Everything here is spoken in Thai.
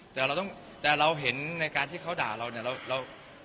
แต่เราต้องแต่เราเห็นในการที่เขาด่าเราเนี่ยเรา